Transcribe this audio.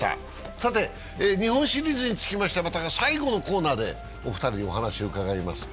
さて、日本シリーズについてはまた最後のコーナーでお二人にお話を伺います。